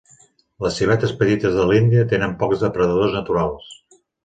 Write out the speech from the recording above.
Les civetes petites de l'Índia tenen pocs depredadors naturals.